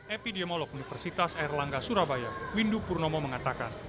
epidemiolog universitas erlangga surabaya windu purnomo mengatakan